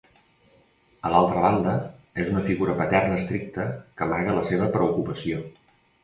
A l'altra banda, és una figura paterna estricta que amaga la seva preocupació.